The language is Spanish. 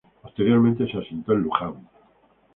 Posteriormente se asentó en Luján.